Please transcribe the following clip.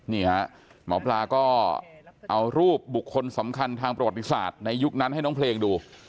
หมอปลาก็เอารูปบุคคลสำคัญทางประวัติศาสตร์ในยุคนั้นให้น้องเพลงดู